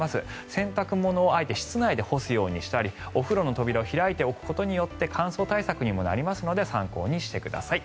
洗濯物をあえて室内で干すようにしたりお風呂の扉を開いておくことによって乾燥対策にもなりますので参考にしてください。